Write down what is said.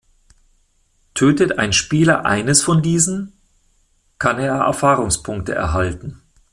Tötet ein Spieler eines von diesen, kann er Erfahrungspunkte erhalten.